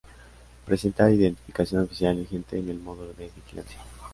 Presentar identificación oficial vigente en el módulo de vigilancia.